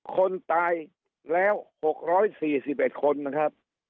คนตายแล้ว๖๔๑คนนะครับ